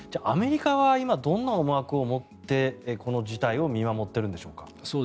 アメリカは今、どんな思惑を持ってこの事態を見守っているんでしょうか？